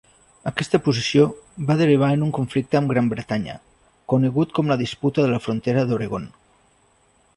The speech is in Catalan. Aquesta posició va derivar en un conflicte amb Gran Bretanya, conegut com la disputa de la frontera d'Oregon.